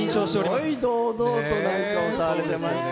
すごい堂々と歌われてました。